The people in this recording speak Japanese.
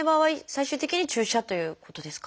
最終的に注射ということですか？